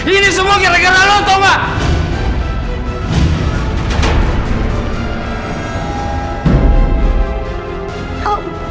ini semua gara gara lo tau gak